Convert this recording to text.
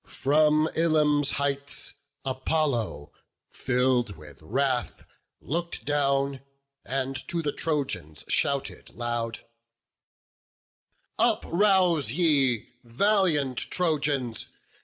From Ilium's heights Apollo, filled with wrath, Look'd down, and to the Trojans shouted loud: "Uprouse ye, valiant Trojans!